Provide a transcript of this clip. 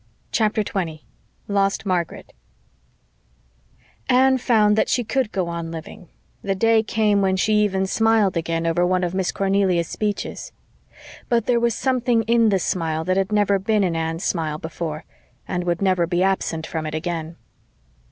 CHAPTER 20 LOST MARGARET Anne found that she could go on living; the day came when she even smiled again over one of Miss Cornelia's speeches. But there was something in the smile that had never been in Anne's smile before and would never be absent from it again.